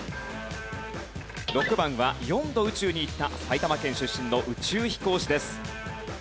６番は４度宇宙に行った埼玉県出身の宇宙飛行士です。